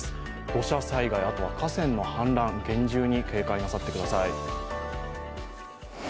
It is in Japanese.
土砂災害、河川の氾濫、厳重に警戒なさってください。